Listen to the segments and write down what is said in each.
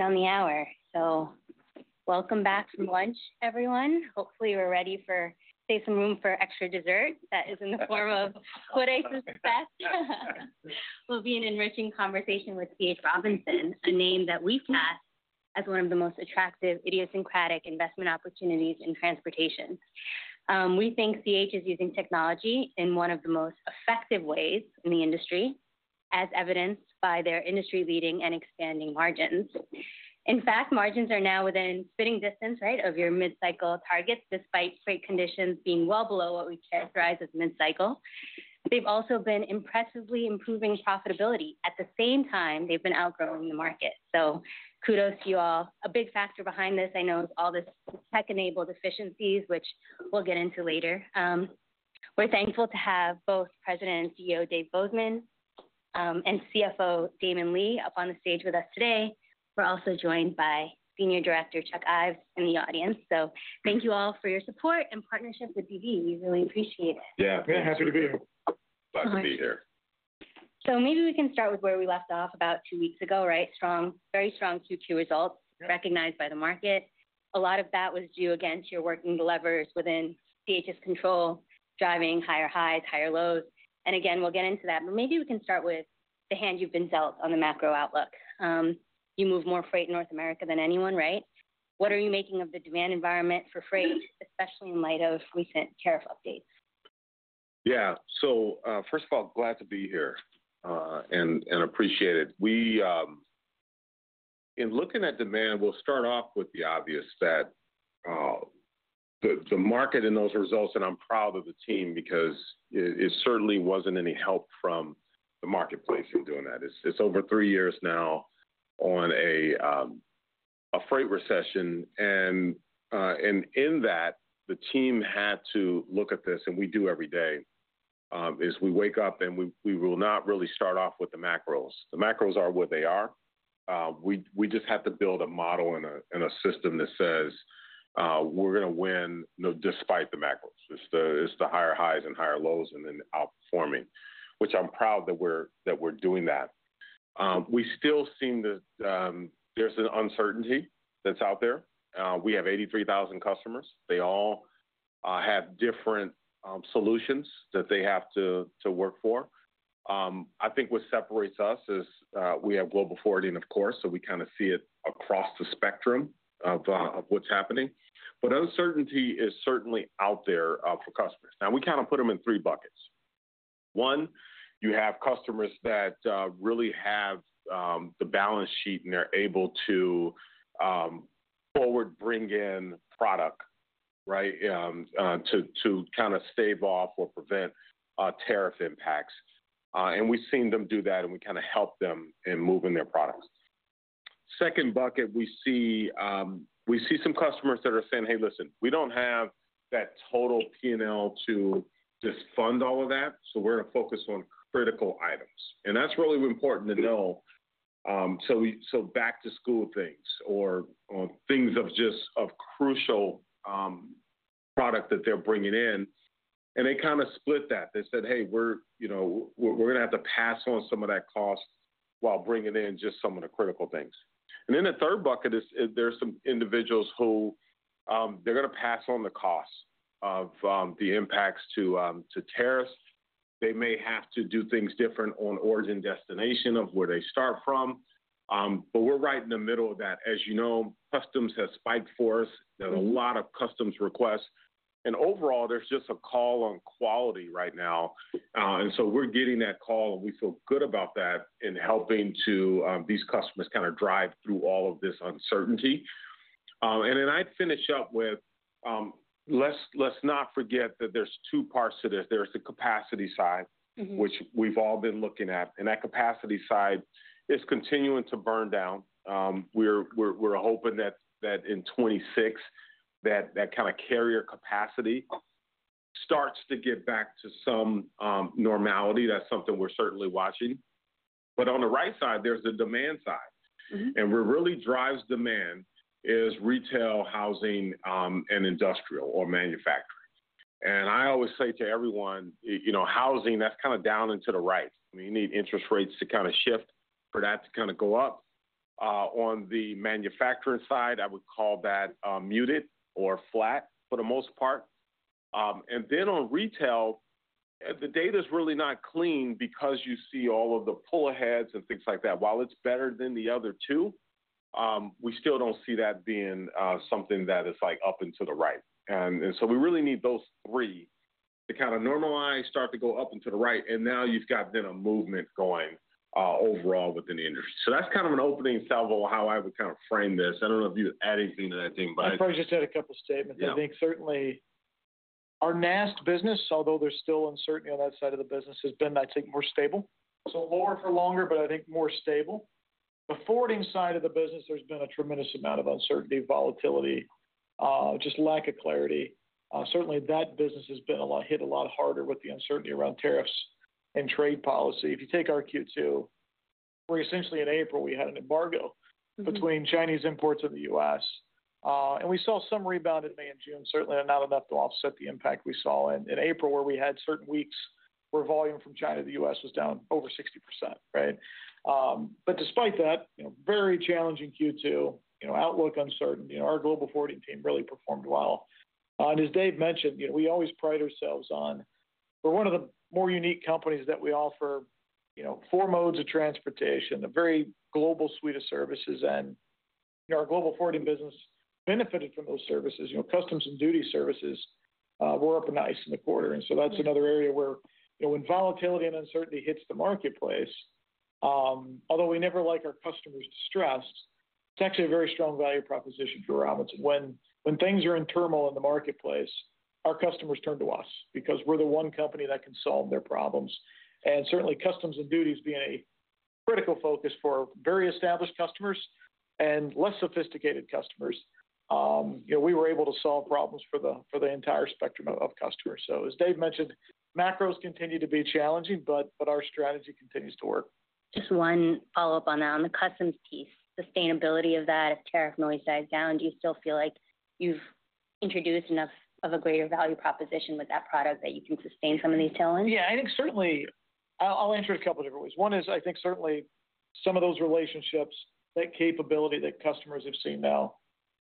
And on the hour, so welcome back from lunch everyone. Hopefully we're ready to save some room for extra dessert that is in the form of what I suspect. Be an enriching conversation with CH Robinson, a name that we've passed as one of the most attractive idiosyncratic investment opportunities in transportation. We think CH is using technology in one of the most effective ways in the industry as evidenced by their industry leading and expanding margins. In fact, margins are now within fitting distance of your mid cycle targets despite freight conditions being well below what we characterize as mid cycle. They've also been impressively improving profitability. At the same time, they've been outgrowing the market. So kudos to you all. A big factor behind this, I know, is all this tech enabled efficiencies, we'll get into later. We're thankful to have both President and CEO Dave Bozeman and CFO Damon Lee up on the stage with us today. We're also joined by Senior Director Chuck Ives in the audience. So thank you all for your support partnership with PV. We really appreciate it. Yeah. It's been a pleasure to be here. Glad to be here. So maybe we can start with where we left off about two weeks ago. Right? Strong very strong q two results recognized by the market. A lot of that was due against your working the levers within CHS control, higher highs, higher lows. And again, we'll get into that. But maybe we can start with the hand you've been dealt on the macro outlook. You move more freight in North America than anyone, right? What are you making of the demand environment for freight, especially in light of recent tariff updates? Yeah, so first of all, glad to be here and appreciate it. In looking at demand, we'll start off with the obvious that the market and those results, and I'm proud of the team because it certainly wasn't any help from the marketplace in doing that. It's over three years now on a freight recession. And in that the team had to look at this and we do every day, is we wake up and we will not really start off with the macros. The macros are what they are. We just have to build a model and system that says, we're gonna win despite the macros, it's the higher highs and higher lows and then outperforming, which I'm proud that we're doing that. We still seem that there's an uncertainty that's out there. We have 83,000 customers. They all have different solutions that they have to work for. I think what separates us is we have Global Forwarding, of course, so we kind of see it across the spectrum of what's happening. But uncertainty is certainly out there for customers. Now we kind of put them in three buckets. One, you have customers that really have the balance sheet and they're able to forward bring in product to kind of stave off or prevent tariff impacts. And we've seen them do that and we kind of help them in moving their products. Second bucket we see some customers that are saying, hey, listen, we don't have that total P and L to just fund all of that. So we're focused on critical items. And that's really important to know. So back to school things or things of just a crucial product that they're bringing in and they kind of split that. They said, hey, we're gonna have to pass on some of that cost while bringing in just some of the critical things. And then the third bucket is there's some individuals who they're going to pass on the costs of the impacts to terrorists. They may have to do things different destination of where they start from. But we're right in the middle of that. As you know, customs has spiked for us. There's a lot of customs requests and overall there's just a call on quality right now. And so we're getting that call and we feel good about that in helping to, these customers kind of drive through all of this uncertainty. And then I'd finish up with, let's let's not forget that there's two parts to this. There's the capacity side, which we've all been looking at, and that capacity side is continuing to burn down. We're hoping that that in '26 that that kind of carrier capacity starts to get back to some, normality. That's something we're certainly watching. But on the right side, there's the demand side and we're really drives demand is retail housing and industrial or manufacturing. I always say to everyone, housing that's kind of down into the right. We need interest rates to kind of shift for that to kind of go up. On the manufacturing side, I would call that muted or flat for the most part. Then on retail, the data is really not clean because you see all of the pull aheads and things like that. While it's better than the other two, we still don't see that being something that is up into the right. We really need those three to normalize, start to go up into the right, and now you've got a going overall within the industry. So that's kind of an opening salvo of how I would frame this. I don't know if you add anything to that thing, but think I probably just had a couple of statements. I think certainly our NAST business, although there's still uncertainty on that side of the business, has been, I think, more stable. So more for longer, but I think more stable. The forwarding side of the business, there's been a tremendous amount of uncertainty, volatility, just lack of clarity. Certainly, that business has been hit a lot harder with the uncertainty around tariffs and trade policy. If you take our Q2, where essentially in April, we had an embargo between Chinese imports of The US. And we saw some rebound in May and June, certainly not enough to offset the impact we saw in April, where we had certain weeks where volume from China to The US was down over 60%. But despite that, very challenging Q2, outlook uncertain. Our Global Forwarding team really performed well. And as Dave mentioned, we always pride ourselves on we're one of the more unique companies that we offer four modes of transportation, a very global suite of services. And our Global Forwarding business benefited from those services. Customs and duty services were up nice in the quarter. And so that's another area where when volatility and uncertainty hits the marketplace, although we never like our customers' distress, it's actually a very strong value proposition for Robinson. When things are in turmoil in the marketplace, our customers turn to us because we're the one company that can solve their problems. And certainly, customs and duties being a critical focus for very established customers and less sophisticated customers, we were able to solve problems for the entire spectrum So as Dave mentioned, macros continue to be challenging, but our strategy continues to work. Just one follow-up on that. On the customs piece, sustainability of that, if tariff noise dies down, do you still feel like you've introduced enough of a greater value proposition with that product that you can sustain some of these tailwinds? Yeah, I think certainly I'll answer a couple of different ways. One is I think certainly some of those relationships, that capability that customers have seen now,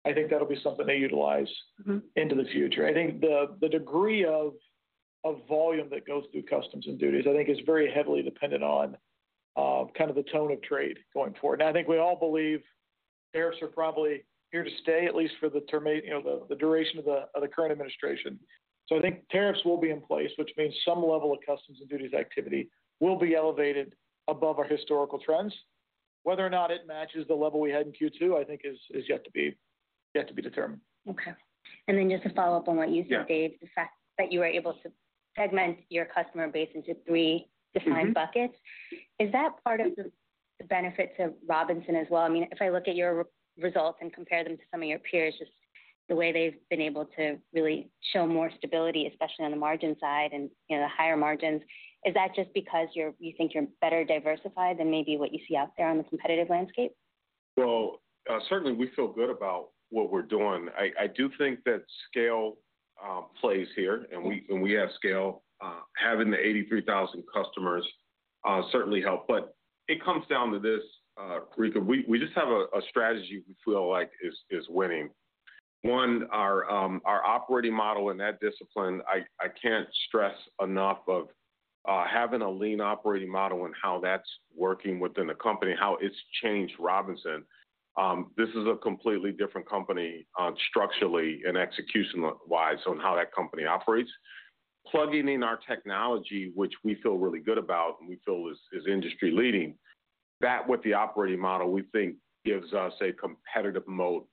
I think that'll be something they utilize into the future. I think the degree of volume that goes through customs and duties, I think, is very heavily dependent on the tone of trade going forward. And I think we all believe tariffs are probably here to stay, at least for the duration of the current administration. So I think tariffs will be in place, which means some level of customs and duties activity will be elevated above our historical trends. Whether or not it matches the level we had in Q2, I think, is yet be determined. Okay. And then just a follow-up on what you said, Dave, the fact that you were able to segment your customer base into three different buckets. Is that part of the benefits of Robinson as well? Mean, I look at your results and compare them to some of your peers, just the way they've been able to really show more stability, especially on the margin side and the higher margins, is that just because you think you're better diversified than maybe what you see out there on the competitive landscape? Well, certainly we feel good about what we're doing. I do think that scale plays here and we have scale having the 83,000 customers certainly help, but it comes down to this. We just have a strategy we feel like is winning. One, our operating model and that discipline, I can't stress enough of having a lean operating model and how that's working within the company, how it's changed Robinson. This is a completely different company structurally and execution wise on how that company operates. Plugging in our technology, which we feel really good about and we feel is industry leading, that with the operating model we think gives us a competitive moat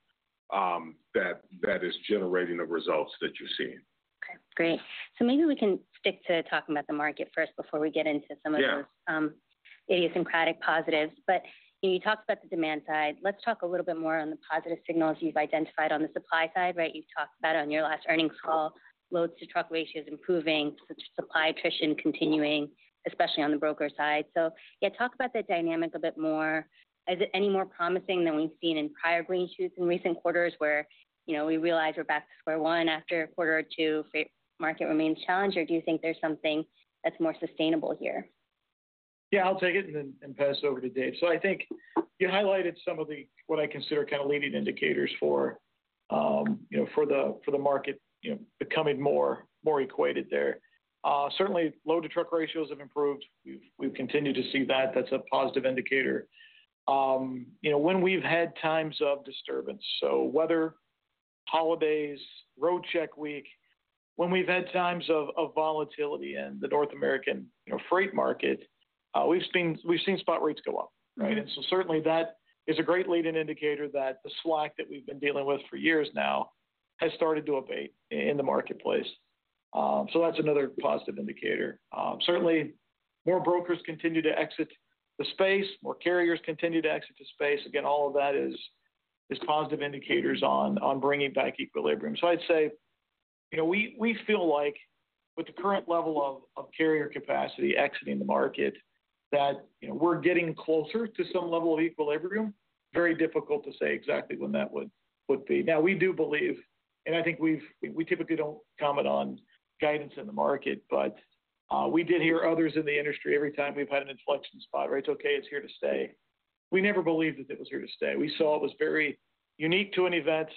that is generating the results that you're seeing. Great. So maybe we can stick to talking about the market first before we get into some of idiosyncratic positives. But you talked about the demand side. Let's talk a little bit more on the positive signals you've identified on the supply side. You've talked about on your last earnings call, loads to truck ratios improving, supply attrition continuing, especially on the broker side. So, yeah, talk about that dynamic a bit more. Is it any more promising than we've seen in prior green shoots in recent quarters where we realize we're back to square one after a quarter or two market remains challenged? Or do you think there's something that's more sustainable here? Yeah, I'll take it and then pass over to Dave. So I think you highlighted some of the, what I consider kind of leading indicators for the market becoming more equated there. Certainly, load to truck ratios have improved. We've continued to see that. That's a positive indicator. When we've had times of disturbance so weather, holidays, road check week, when we've had times of volatility in the North American freight market, we've seen spot rates go up. And so certainly, that is a great leading indicator that the slack that we've been dealing with for years now has started to abate in the marketplace. So that's another positive indicator. Certainly, brokers continue to exit the space. More carriers continue to exit the space. Again, all of that is positive indicators on bringing back equilibrium. So I'd say we feel like with the current level of carrier capacity exiting the market that we're getting closer to some level of equilibrium, very difficult to say exactly when that would be. Now we do believe, and I think we typically don't comment on guidance in the market, but we did hear others in the industry every time we've had an inflection spot rates, okay, it's here to stay. We never believed that it was here to stay. We saw it was very unique to an event.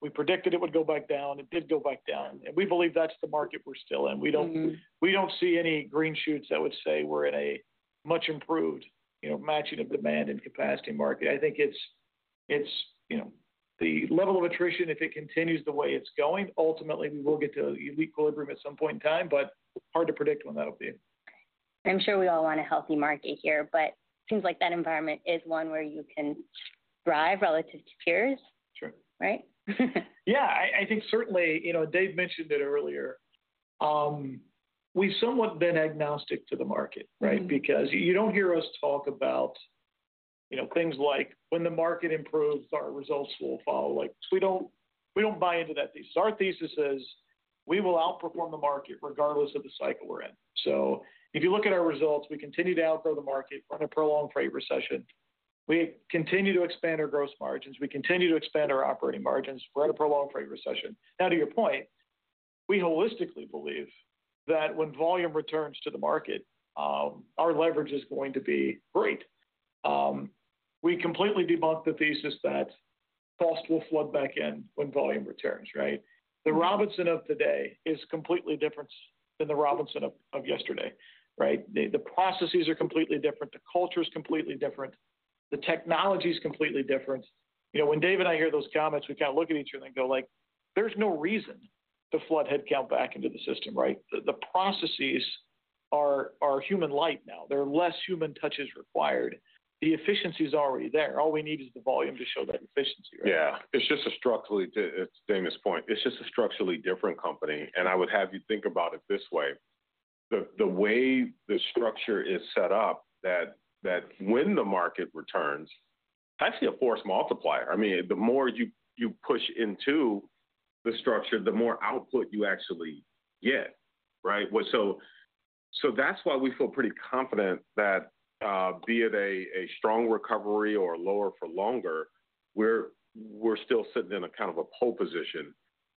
We predicted it would go back down. It did go back down. And we believe that's the market we're still in. We don't see any green shoots that would say we're in a much improved matching of demand and capacity market. I think it's the level of attrition, if it continues the way it's going, ultimately, we will get to equilibrium at some point in time, but hard to predict when that will be. I'm sure we all want a healthy market here, but it seems like that environment is one where you can thrive relative to peers. Sure. Right? Yeah, I think certainly, Dave mentioned it earlier. We've somewhat been agnostic to the market, right? Because you don't hear us talk about things like when the market improves, our results will follow. We don't buy into that thesis. Our thesis says we will outperform the market regardless of the cycle we're in. So if you look at our results, we continue to outgrow the market from a prolonged freight recession. We continue to expand our gross margins. We continue to expand our operating margins. We're at a prolonged freight recession. Now to your point, we holistically believe that when volume returns to the market, our leverage is going to be great. We completely debunked the thesis that cost will flood back in when volume returns, right? The Robinson of today is completely different than the Robinson of yesterday, right? The processes are completely different. The culture is completely different. The technology is completely different. When Dave and I hear those comments, we kind of look at each other and go like, there's no reason to flood headcount back into the system, The processes are human light now. They're less human touches required. The efficiency is already there. All we need is the volume to show that efficiency. Yeah, it's just a structurally it's Dana's point, it's just a structurally different company. And I would have you think about it this way. The way the structure is set up that when the market returns, actually a force multiplier. I mean, the more you push into the structure, the more output you actually get. So that's why we feel pretty confident that be it a strong recovery or lower for longer, we're still sitting in a kind of a pole position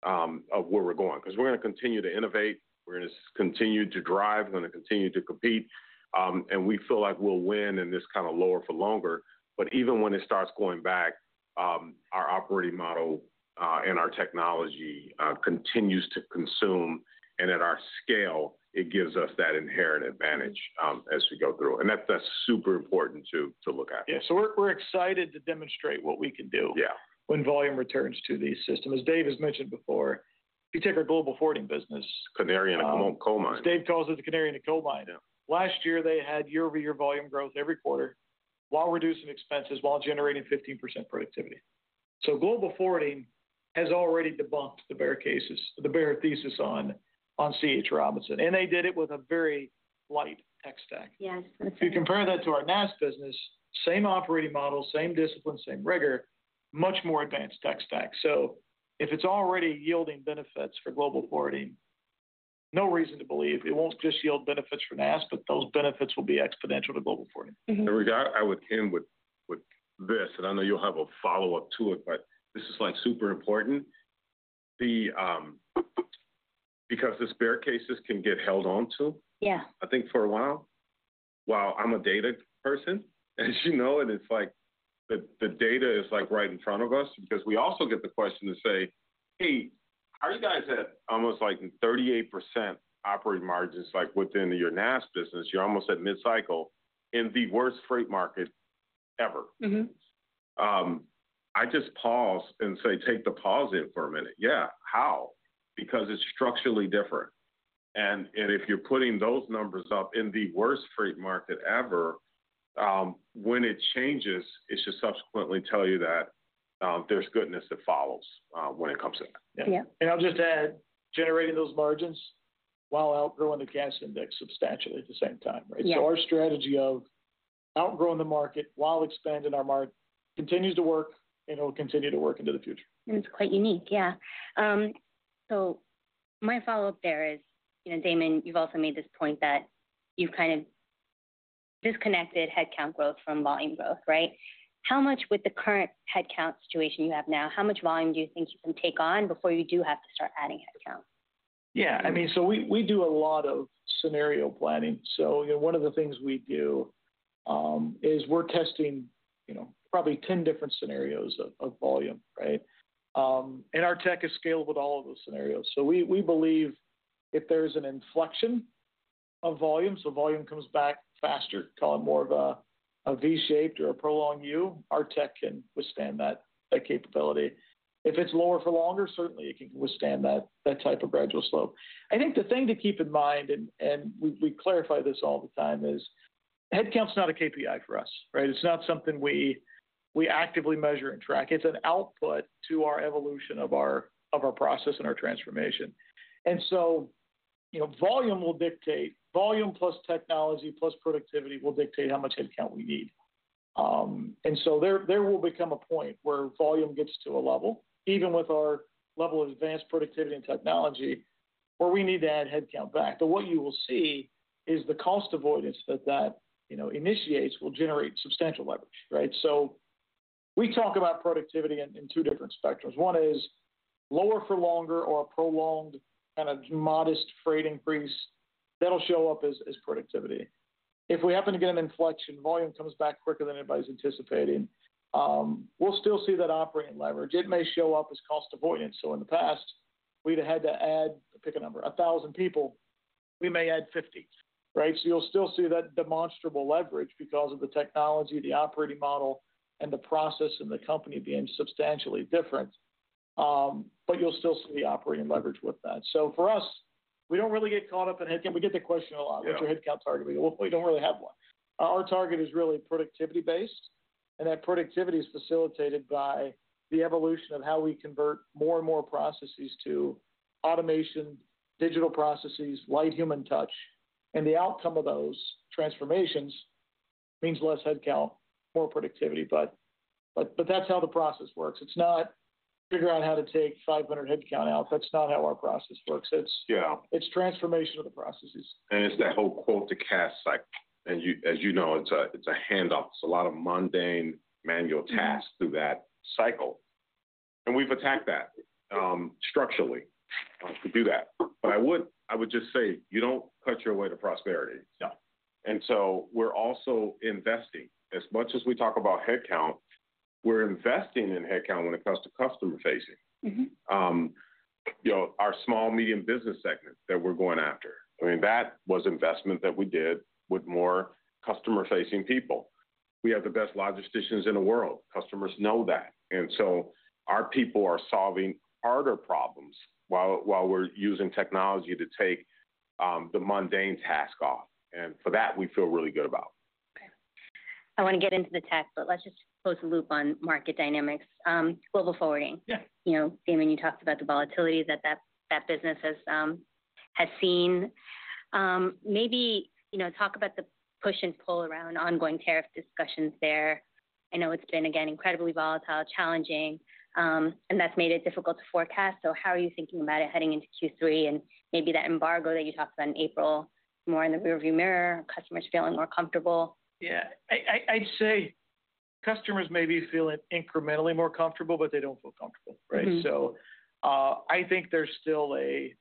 of where we're going because we're going to continue to innovate. We're going to continue to drive, we're going to continue to compete. And we feel like we'll win in this kind of lower for longer. But even when it starts going back, our operating model and our technology continues to consume. And at our scale, it gives us that inherent advantage as we go through. And that's super important to look at. Yeah, so we're excited to demonstrate what we can do when volume returns to the system. As Dave has mentioned before, if you take our global forwarding business Canary in a coal mine. As Dave calls it the canary in a coal mine. Last year, they had year over year volume growth every quarter while reducing expenses while generating 15% productivity. So global forwarding has already debunked the thesis on CH Robinson. And they did it with a very light tech stack. If you compare that to our NASS business, same operating model, same discipline, same rigor, much more advanced tech stack. So if it's already yielding benefits for Global Forwarding, no reason to believe it won't just yield benefits for NASS, but those benefits will be exponential to Global Forwarding. In regard, I would end with this. And I know you'll have a follow-up to it, but this is like super important. Because the spare cases can get held onto, I think for a while, while I'm a data person, and it's like the data is like right in front of us because we also get the question to say, hey, are you guys at almost like 38% operating margins, like within your NASS business, you're almost at mid cycle in the worst freight market ever. I just pause and say, take the pause in for a minute. Yeah, how? Because it's structurally different. And if you're putting those numbers up in the worst freight market ever, when it changes, it should subsequently tell you that there's goodness that follows when it comes to that. And I'll just add generating those margins while outgrowing the cash index substantially at the same time. So our strategy of outgrowing the market while expanding our market continues to work and will continue to work into the future. And it's quite unique. Yeah. So my follow-up there is, Damon, you've also made this point that you've kind of disconnected headcount growth from volume growth, right? How much with the current headcount situation you have now, how much volume do you think you can take on before you do have to start adding headcount? Yeah, mean, we do a lot of scenario planning. So one of the things we do is we're testing probably 10 different scenarios of volume. Our tech is scalable to all of those scenarios. So we believe if there's an inflection of volume, so volume comes back faster, call it more of a V shaped or a prolonged U, our tech can withstand that capability. If it's lower for longer, certainly it can withstand that type of gradual slope. I think the thing to keep in mind and we clarify this all the time is headcount is not a KPI for us. It's not something we actively measure and track. It's an output to our evolution of our process and our transformation. And volume will dictate volume plus technology plus productivity will dictate how much headcount we need. And so there will become a point where volume gets to a level, even with our level of advanced productivity and technology, where we need to add headcount back. But what you will see is the cost avoidance that that initiates will generate substantial leverage. So we talk about productivity in two different spectrums. One is lower for longer or a prolonged modest freight increase. That will show up as productivity. If we happen to get an inflection, volume comes back quicker than anybody's anticipating. We'll still see that operating leverage. It may show up as cost avoidance. So in the past, we had add pick a number 1,000 people, we may add 50. So you'll still see that demonstrable leverage because of the technology, the operating model and the process and the company being substantially different. But you'll still see operating leverage with that. So for us, we don't really get caught up in headcount. We get the question a lot. What's your headcount target? We don't really have one. Our target is really productivity based. And that productivity is facilitated by the evolution of how we convert more and more processes to automation, digital processes, light human touch. And the outcome of those transformations means less headcount, more productivity. But that's how the process works. It's not figuring out how to take 500 headcount out. That's not how our process works. It's transformation of the processes. And it's that whole quote to cast cycle. As you know, it's a handoff. It's a lot of mundane manual tasks through that cycle. And we've attacked that structurally to do that. But I would just say, you don't cut your way to prosperity. And so we're also investing. As much as we talk about headcount, we're investing in headcount when it comes to customer facing. Our small medium business segments that we're going after, that was investment that we did with more customer facing people. We have the best logisticians in the world. Customers know that. And so our people are solving harder problems while we're using technology to take the mundane task off. And for that, we feel really good about. I want to get into the tech, but let's just close the loop on market dynamics. Global forwarding, Damon, you talked about the volatility that that business has seen. Maybe talk about the push and pull around ongoing tariff discussions there. I know it's been again incredibly volatile, challenging and that's made it difficult to forecast. So how are you thinking about it heading into Q3 and maybe that embargo that you talked about in April more in the rearview mirror, customers feeling more comfortable? Yeah, I'd say customers may be feeling incrementally more comfortable, but they don't feel comfortable. So I think there's still a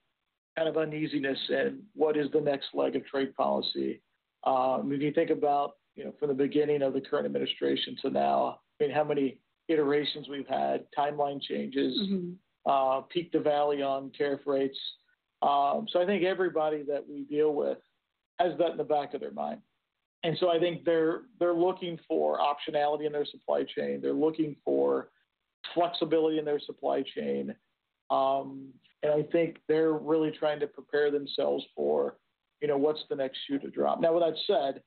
kind of uneasiness in what is the next leg of trade policy. If you think about from the beginning of the current administration to now, how many iterations we've had, timeline changes, peak to valley on tariff rates. So I think everybody that we deal with has that in the back of their mind. And so I think they're looking for optionality in their supply chain. They're looking for flexibility in their supply chain. And I think they're really trying to prepare themselves for what's the next shoe to drop. Now, with that said,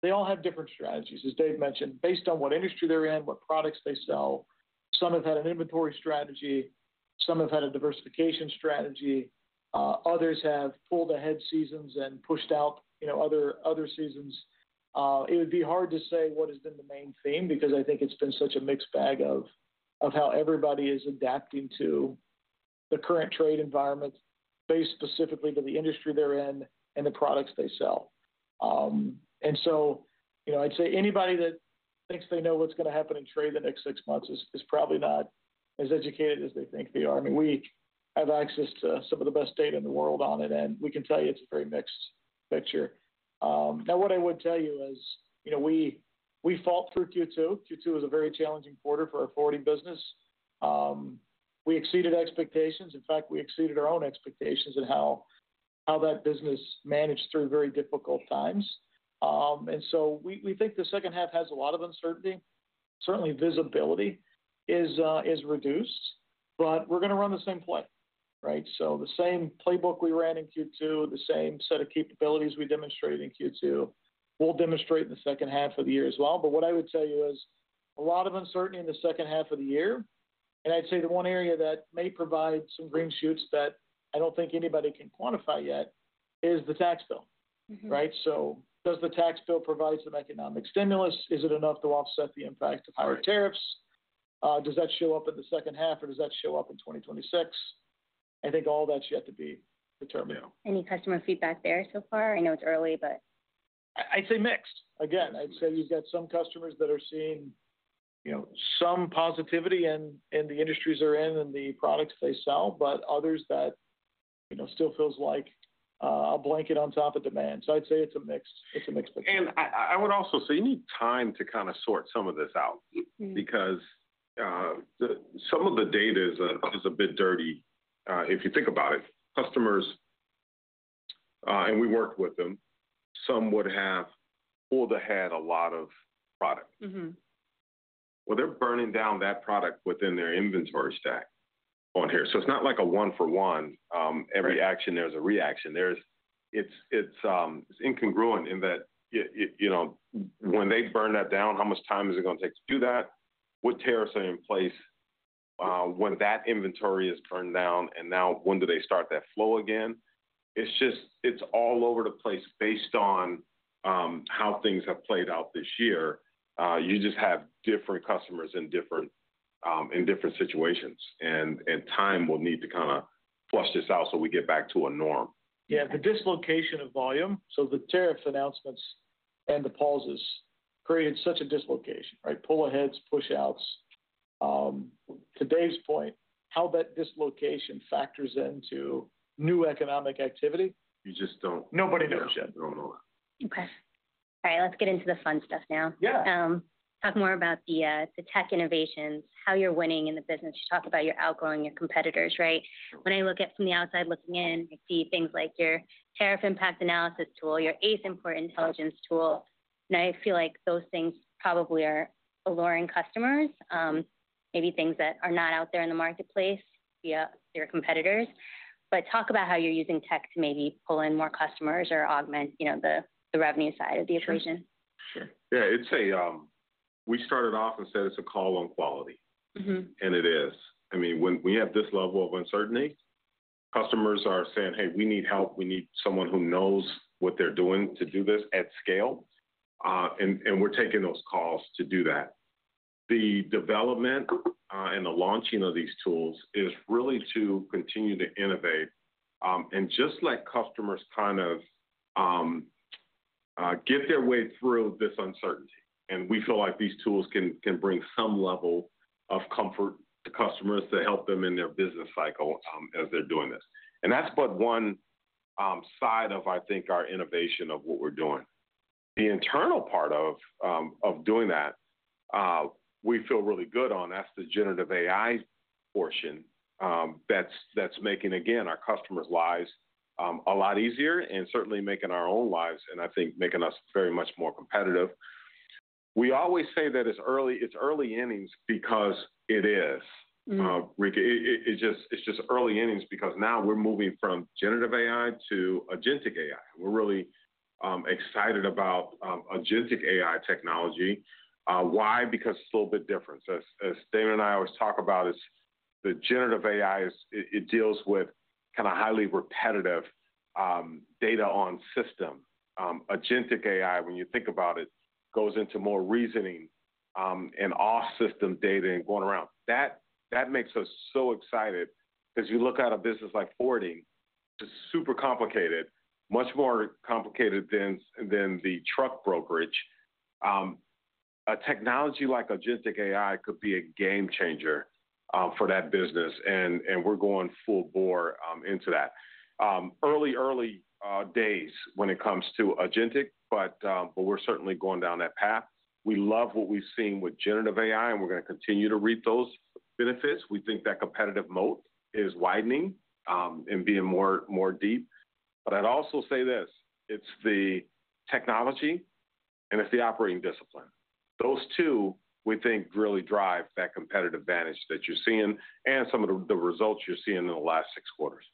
they all have different strategies, as Dave mentioned, based on what industry they're in, what products they sell. Some have had an inventory strategy. Some have had a diversification strategy. Others have pulled ahead seasons and pushed out other seasons. It would be hard to say what has been the main theme because I think it's been such a mixed bag of how everybody is adapting to the current trade environment based specifically to the industry they're in and the products they sell. And so I'd say anybody that thinks they know what's going to happen in trade the next six months is probably not as educated as they think they are. Mean, we have access to some of the best data in the world on it. We can tell you it's a very mixed picture. Now, what I would tell you is we fought for Q2. Q2 was a very challenging quarter for our forwarding business. We exceeded expectations. In fact, we exceeded our own expectations in how that business managed through very difficult times. And so we think the second half has a lot of uncertainty. Certainly visibility is reduced. But we're going to run the same play. So the same playbook we ran in Q2, the same set of capabilities we demonstrated in Q2, we'll demonstrate in the second half of the year as well. But what I would tell you is a lot of uncertainty in the second half of the year. And I'd say the one area that may provide some green shoots that I don't think anybody can quantify yet is the tax bill. So does the tax bill provide some economic stimulus? Is it enough to offset the impact of higher tariffs? Does that show up in the second half? Or does that show up in 2026? I think all that's yet to be determined. Any customer feedback there so far? I know it's early, but I'd say mixed. Again, I'd say you've got some customers that are seeing some positivity and the industries are in and the products they sell, but others that still feels like a blanket on top of demand. So I'd say it's a mixed. It's a mixed. And I would also say you need time to kind of sort some of this out because some of the data is a bit dirty. If you think about it, customers, and we worked with them, some would have pulled ahead a lot of product. Well, they're burning down that product within their inventory stack on here. So it's not like a one for one. Every action, there's a reaction. It's incongruent in that when they burn that down, how much time is it going to take to do that? What tariffs are in place, when that inventory is turned down and now when do they start that flow again? It's just it's all over the place based on, how things have played out this year. You just have different customers in different, in different situations and time will need to kinda flush this out so we get back to a norm. Yeah, the dislocation of volume. So the tariffs announcements and the pauses created such a dislocation, right? Pull aheads, push outs. To Dave's point, how that dislocation factors into new economic activity. Just don't Nobody does. Don't know. Okay. All right. Let's get into the fun stuff now. Talk more about the tech innovations, how you're winning in the business. You talk about you're outgrowing your competitors, right? When I look at from the outside looking in, I see things like your tariff impact analysis tool, your ACE import intelligence tool, and I feel like those things probably are alluring customers, maybe things that are not out there in the marketplace via your competitors. But talk about how you're using tech to maybe pull in more customers or augment the revenue side of the equation. Sure. We started off and said it's a call on quality, And it is. When we have this level of uncertainty, customers are saying, hey, we need help. We need someone who knows what they're doing to do this at scale. And we're taking those calls to do that. The development and the launching of these tools is really to continue to innovate and just let customers get their way through this uncertainty. And we feel like these tools can bring some level of comfort to customers to help them in their business cycle as they're doing this. And that's but one side of, I think, our innovation of what we're doing. The internal part of doing that, feel really good on that's the generative AI portion. That's making again, our customers lives a lot easier and certainly making our own lives and I think making us very much more competitive. We always say that it's early innings because it is, Rick. It's just early innings because now we're moving from generative AI to agentic AI. We're really excited about agentic AI technology. Why? Because it's a little bit different. As Damon and I always talk about is the generative AI, it deals with highly repetitive data on system. AgenTeq AI, when you think about it, goes into more reasoning and off system data and going around. That makes us so excited because you look at a business like forwarding it's super complicated, much more complicated than the truck brokerage. A technology like Authentic AI could be a game changer for that business. We're going full bore into that. Early, early days when it comes to AgenTic, we're certainly going down that path. We love what we've seen with generative AI and we're going to continue to reap those benefits. We think that competitive moat is widening and being more deep. But I'd also say this, it's the technology and it's the operating discipline. Those two, we think really drive that competitive advantage that you're seeing and some of the results you're seeing in the last six quarters.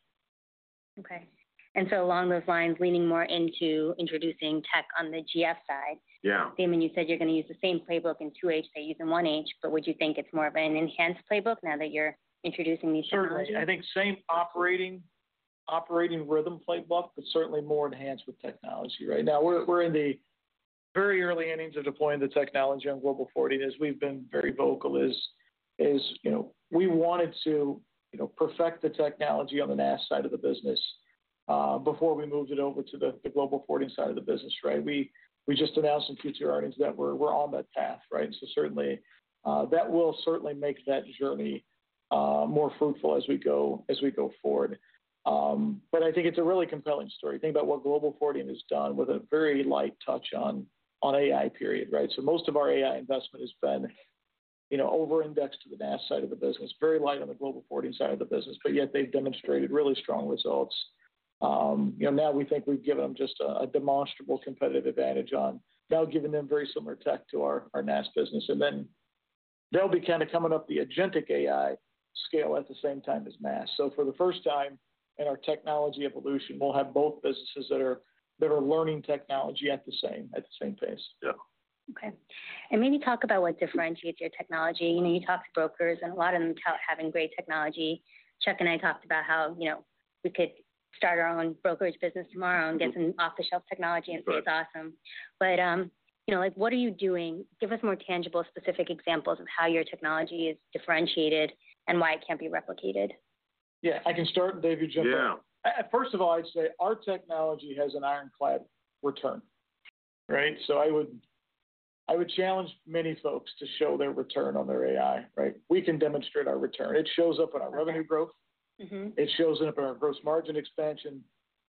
Okay. And so along those lines leaning more into introducing tech on the GF side. Damon, you said you're going to use the same playbook in 2H, they use in 1H, but would you think it's more of an enhanced playbook now that you're introducing these technologies? Certainly, I think same operating rhythm playbook, but certainly more enhanced with technology. Right now, we're in the very early innings of deploying the technology on Global Forwarding as we've been very vocal is we wanted to perfect the technology on the NASS side of the business before we moved it over to the Global Forwarding side of the business, right? We just announced in future earnings that we're on that path, right? So certainly, that will certainly make that journey more fruitful as we go forward. But I think it's a really compelling story. Think about what Global Forwarding has done with a very light touch on AI period, right? So most of our AI investment has been over indexed to the NASS side of the business, very light on the Global Forwarding side of the business, but yet they've demonstrated really strong results. Now we think we've given them just a demonstrable competitive advantage on now giving them very similar tech to our NASS business. Then they'll be kind of coming up the agentic AI scale at the same time as NASS. So for the first time in our technology evolution, we'll have both businesses that learning technology at the same pace. Okay. And maybe talk about what differentiates your technology. You talk to brokers, a lot of them are great technology. Chuck and I talked about how we could start our own brokerage business tomorrow and get some off the shelf technology and it's But what are you doing? Give us more tangible specific examples of how your technology is differentiated and why it can't be replicated. Yeah, I can start. Dave, you jump in. First of all, I'd say our technology has an ironclad return. So I would challenge many folks to show their return on their AI. We can demonstrate our return. It shows up in our revenue growth. It shows up in our gross margin expansion.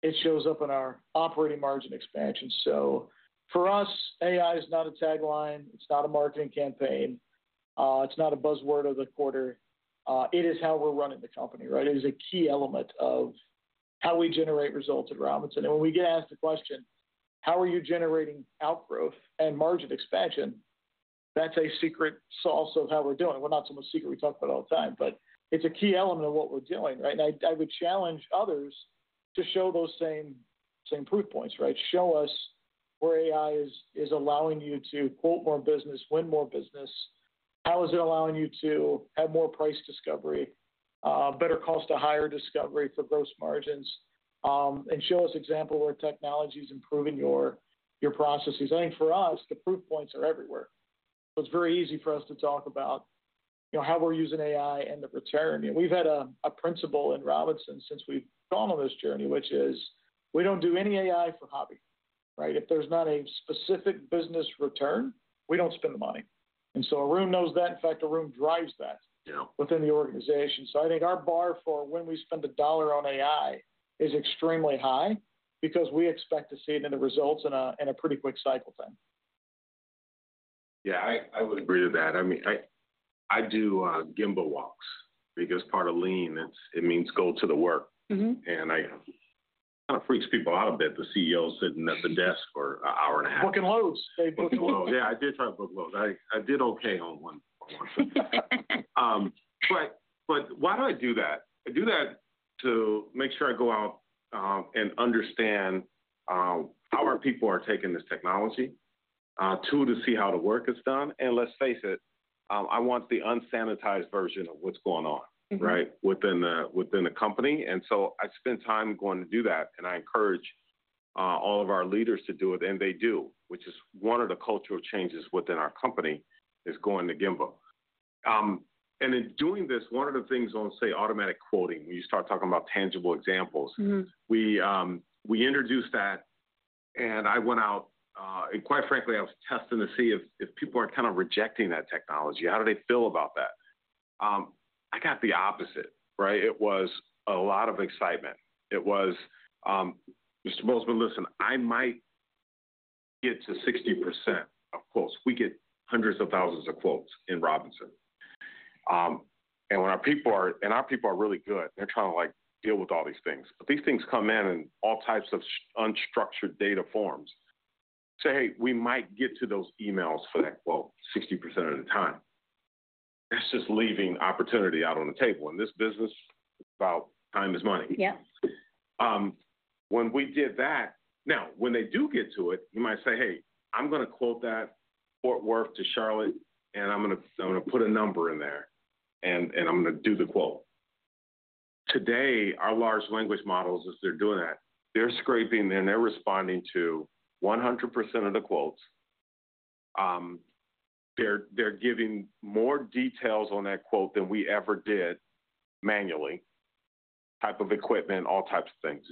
It shows up in our operating margin expansion. So for us, AI is not a tagline. It's not a marketing campaign. It's not a buzzword of the quarter. It is how we're running the company. It is a key element of how we generate results at Robinson. And when we get asked the question, how are you generating outgrowth and margin expansion? That's a secret sauce of how we're doing. We're not so much secret we talk about all the time, but it's a key element of what we're doing. And I would challenge others to show those same proof points. Show us where AI is allowing you to quote more business, win more business. How is it allowing you to have more price discovery, better cost of higher discovery for gross margins? And show us example where technology is improving your processes. I think for us, the proof points are everywhere. It's very easy for us to talk about how we're using AI and the return. We've had a principle at Robinson since we've gone on this journey, is we don't do any AI for hobby. If there's not a specific business return, we don't spend the money. And so Arun knows that. In fact, Arun drives that within the organization. So I think our bar for when we spend $1 on AI is extremely high because we expect to see it in the results in a pretty quick cycle thing. Yeah, I would agree with that. I do gimbal walks because part of lean, it means go to the work. And it freaks people out a bit, the CEO sitting at the desk for an hour and a half. Booking loads. Yeah, I did try to book loads. I did Okay on one. But why do I do that? I do that to make sure I go out and understand how our people are taking this technology, to, to see how the work is done. And let's face it. I want the unsanitized version of what's going on right within the company. And so I spent time going to do that. And I encourage all of our leaders to do it and they do, which is one of the cultural changes within our company is going to Gimbal. And in doing this, one of the things on, say, automatic quoting, when you start talking about tangible examples, we introduced that and I went out, and quite frankly, I was testing to see if people are kind of rejecting that technology. How do they feel about that? I got the opposite. It was a lot of excitement. It was, Mr. Boltzmann, listen, I might get to 60% of quotes. We get hundreds of thousands of quotes in Robinson. And our people are really good. They're trying to deal with all these things. But these things come in in all types of unstructured data forms. Say, hey, we might get to those emails for that quote 60% of the time. It's just leaving opportunity out on the table. In this business, it's about time is money. When we did that, now when they do get to it, you might say, hey, I'm going to quote that Fort Worth to Charlotte, and I'm going to put a number in there and I'm going to do the quote. Today, our large language models, as they're doing that, they're scraping and they're responding to 100% of the quotes. They're giving more details on that quote than we ever did manually, type of equipment, all types of things.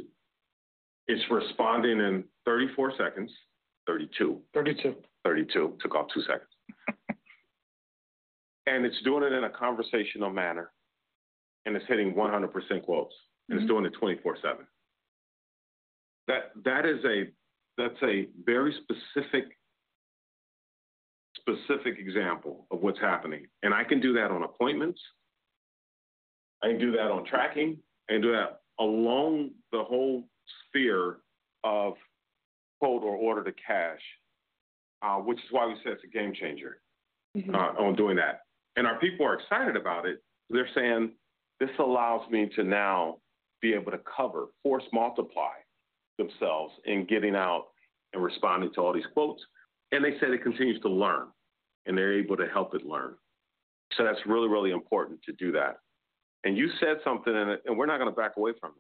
It's responding in thirty four seconds, 32. 32. 32, took off two seconds. And it's doing it in a conversational manner, and it's hitting 100% quotes, and it's doing it 20 fourseven. That's a very specific example of what's happening. And I can do that on appointments. I can do that on tracking. I can do that along the whole sphere of quote or order to cash, which is why we said it's a game changer, on doing that. And our people are excited about it. They're saying this allows me to now be able to cover, force multiply themselves in getting out and responding to all these quotes. And they said it continues to learn, and they're able to help it learn. So that's really, really important to do that. And you said something, we're not going to back away from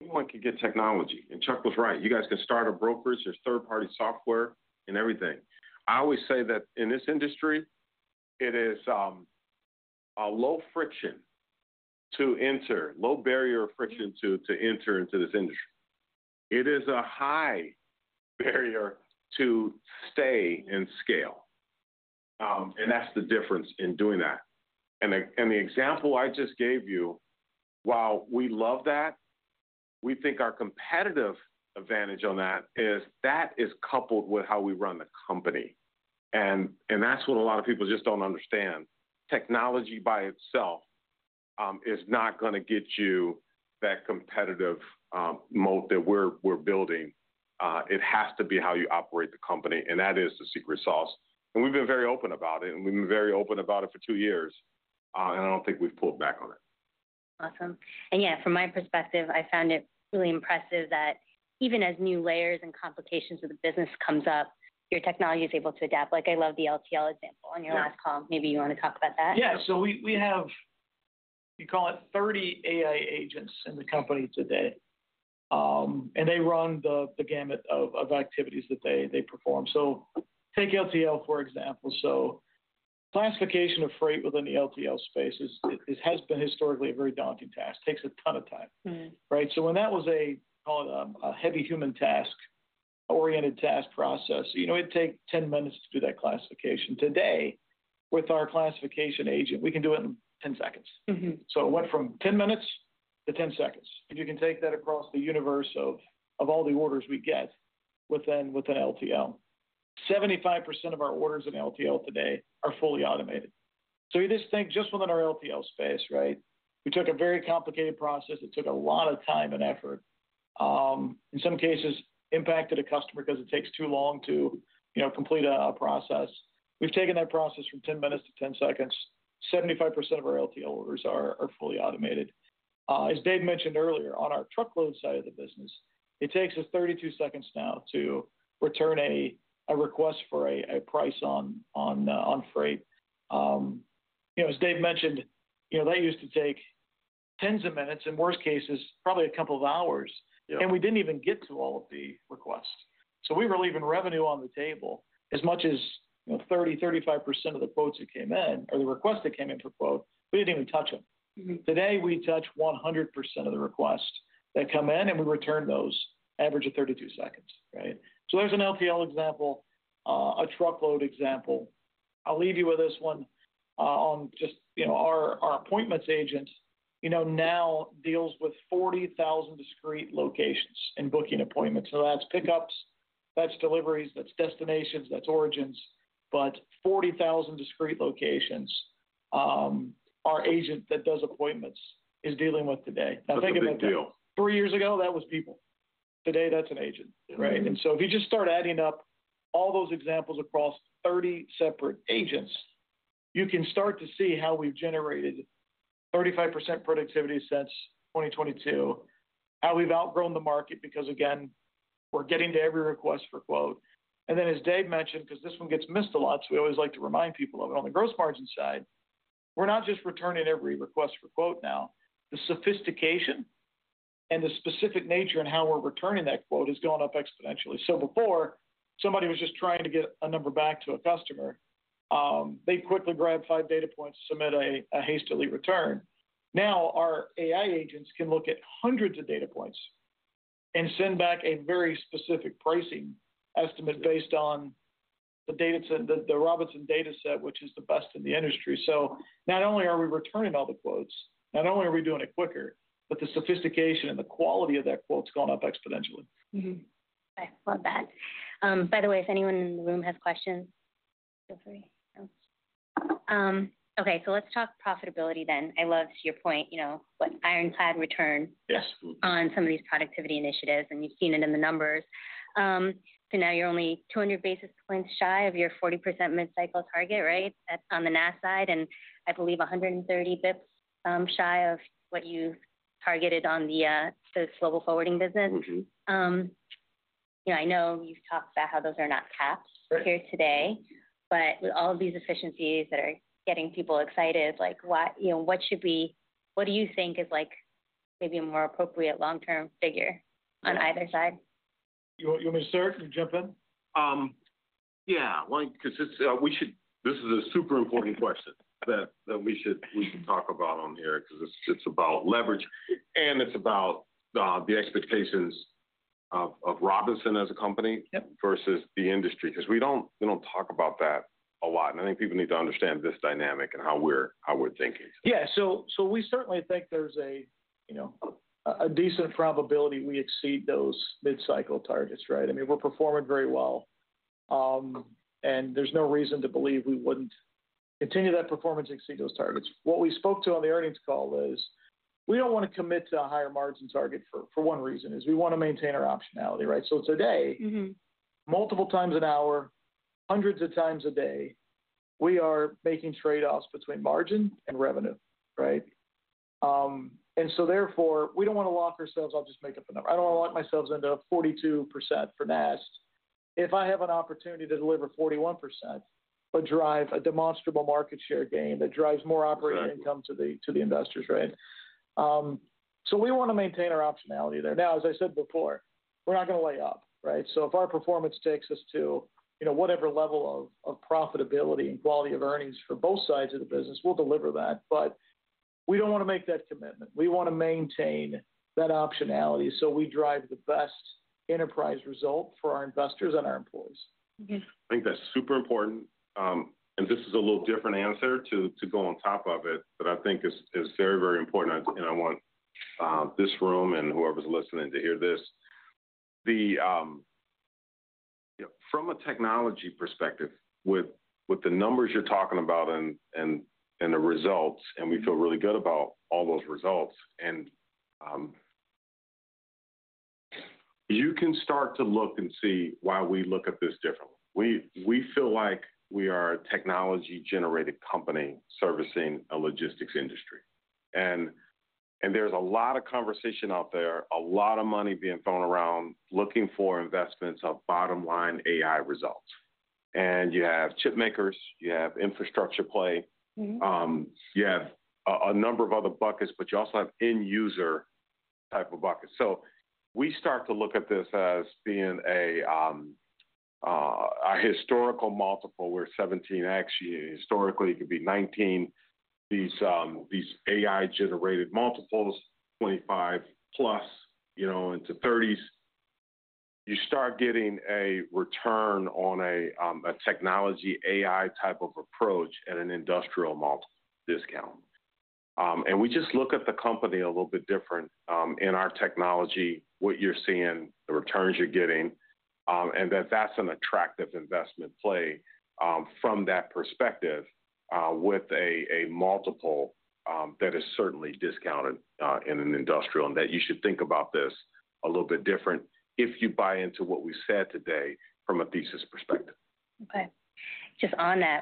Anyone can get technology. And Chuck was right. You guys can start a brokerage, there's third party software and everything. I always say that in this industry, it is a low friction to enter, low barrier of friction to enter into this industry. It is a high barrier to stay in scale. And that's the difference in doing that. And the example I just gave you, while we love that, we think our competitive advantage on that is that is coupled with how we run the company. And that's what a lot of people just don't understand. Technology by itself is not going to get you that competitive moat that we're building. It has to be how you operate the company. And that is the secret sauce. And we've been very open about it. And we've been very open about it for two years. And I don't think we've pulled back on it. Awesome. And yeah, from my perspective, I found it really impressive that even as new layers and complications of the business comes up, your technology is able to adapt. Like I love the LTL example on your last call. Maybe you want to talk about that? Yeah. So we have, we call it 30 AI agents in the company today. And they run the gamut of activities that they perform. So take LTL, for example. So classification of freight within the LTL space has been historically a very daunting task, takes a ton of time, right? So when that was a heavy human task, oriented task process, it'd take ten minutes to do that classification. Today, with our classification agent, we can do it in ten seconds. So it went from ten minutes to ten seconds. If you can take that across the universe of all the orders we get within LTL. 75% of our orders in LTL today are fully automated. So you just think just within our LTL space, right? We took a very complicated process. It took a lot of time and effort. In some cases, impacted a customer because it takes too long to complete a process. We've taken that process from ten minutes to ten seconds. 75% of our LTL orders are fully automated. As Dave mentioned earlier, on our truckload side of the business, it takes us thirty two seconds now to return a request for a price on freight. As Dave mentioned, they used to take tens of minutes, in worst cases, probably a couple of hours. And we didn't even get to all of the requests. So we were leaving revenue on the table as much as 30%, 35% of the quotes that came in or the request that came in for quote, we didn't even touch them. Today we touch 100 of the requests that come in and we return those average of thirty two seconds, right? So there's an LTL example, a truckload example. I'll leave you with this one. Our appointments agents now deals with 40,000 discrete locations and booking appointments. So that's pickups, that's deliveries, that's destinations, that's origins, but 40,000 discrete locations our agent that does appointments is dealing with today. Now That's think of it a deal. Three years ago, that was people. Today, that's an agent. And so if you just start adding up all those examples across 30 separate agents, you can start to see how we've generated 35% productivity since 2022, how we've outgrown the market because, again, we're getting to every request for quote. And then as Dave mentioned, because this one gets missed a lot, so we always like to remind people of it. On the gross margin side, we're not just returning every request for quote now. The sophistication and the specific nature in how we're returning that quote has gone up exponentially. So before, somebody was just trying to get a number back to a customer. They quickly grabbed five data points, submit a hastily return. Now our AI agents can look at hundreds of data points and send back a very specific pricing estimate based on the data set, the Robinson data set, which is the best in the industry. So not only are we returning all the quotes, not only are we doing it quicker, but the sophistication and the quality of that quote has gone up exponentially. Love that. By the way, if anyone in the room has questions, feel free. So let's talk profitability then. I love your point, what ironclad return on some of these productivity initiatives and you've seen it in the numbers. So now you're only 200 basis points shy of your 40% mid cycle target, That's on the NASS side and I believe 130 bps shy of what you targeted on the global forwarding business. I know you've talked about how those are not caps here today but with all of these efficiencies that are getting people excited, what do you think is maybe a more appropriate long term figure on either side? You me to start to jump in? Yeah, because we should this is a super important question that we should talk about on here because it's about leverage. And it's about the expectations of Robinson as a company versus the industry because we don't talk about that a lot. And I think people need to understand this dynamic and how we're thinking. Yeah. So we certainly think there's a decent probability we exceed those mid cycle targets. I mean, we're performing very well. And there's no reason to believe we wouldn't continue that performance and exceed those targets. What we spoke to on the earnings call is we don't want to commit to a higher margin target for one reason, is we want to maintain our optionality. So today, multiple times an hour, hundreds of times a day, we are making trade offs between margin and revenue. And so therefore, we don't want to lock ourselves I'll just make up a number. I don't want lock myself into 42% for NAST if I have an opportunity to deliver 41%, but drive a demonstrable market share gain that drives more operating So income to the we want to maintain our optionality there. Now, as I said before, we're not going to lay up. So if our performance takes us to whatever level of profitability and quality of earnings for both sides of the business, we'll deliver that. But we don't want to make that commitment. We want to maintain that optionality so we drive the best enterprise result for our investors and our employees. I think that's super important. And this is a little different answer to go on top of it, but I think it's very, very important. I want this room and whoever's listening to hear this. From a technology perspective, with the numbers you're talking about and the results, and we feel really good about all those results, you can start to look and see why we look at this differently. We feel like we are a technology generated company servicing a logistics industry. And And there's a lot of conversation out there, a lot of money being thrown around looking for investments of bottom line AI results. And you have chip makers, you have infrastructure play, you have a number of other buckets, but you also have end user type of buckets. So we start to look at this as being a historical multiple where 17 actually historically it could be 19. These AI generated multiples, 25 plus into 30s, you start getting a return on a technology AI type of approach at an industrial multiple discount. And we just look at the company a little bit different in our technology, what you're seeing, the returns you're getting, and that that's an attractive investment play from that perspective with a multiple that is certainly discounted in an industrial and that you should think about this a little bit different if you buy into what we said today from a thesis perspective. Okay. Just on that,